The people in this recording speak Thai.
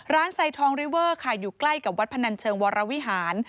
ไซทองริเวอร์ค่ะอยู่ใกล้กับวัดพนันเชิงวรวิหาร